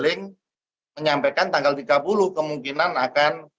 jadi bmkg menyampaikan tanggal tiga puluh kemungkinan akan